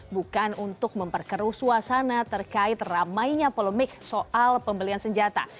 bukan untuk memperkeruh suasana terkait ramainya polemik soal pembelian senjata